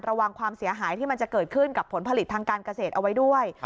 ความเสียหายที่มันจะเกิดขึ้นกับผลผลิตทางการเกษตรเอาไว้ด้วย